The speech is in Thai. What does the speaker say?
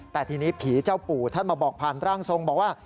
แต่ทีนี้ผีเจ้าปู่ท่านมาบอกผ่านร่างทรงบอกว่า